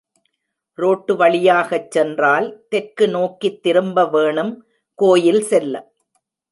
Road வழியாகச் சென்றால், தெற்கு நோக்கித் திரும்ப வேணும் கோயில் செல்ல.